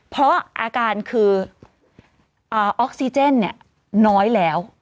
เพราะอาการคือออกซิเจนน้อยแล้ว